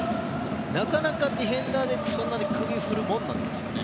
なかなか、ディフェンダーでそんなに首振るものですかね？